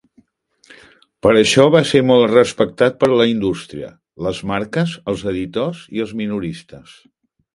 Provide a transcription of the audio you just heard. Per això va ser molt respectat per la indústria, les marques, els editors i els minoristes.